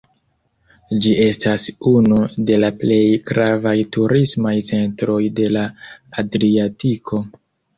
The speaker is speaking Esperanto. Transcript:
Ĝi estas unu de la plej gravaj turismaj centroj de la Adriatiko.